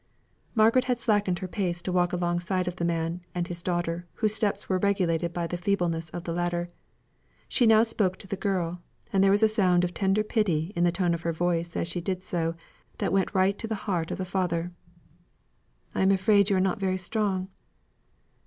Margaret had slackened her pace to a walk alongside of the man and his daughter, whose steps were regulated by the feebleness of the latter. She now spoke to the girl, and there was a sound of tender pity in the tone of her voice as she did so that went right to the heart of the father. "I'm afraid you are not very strong."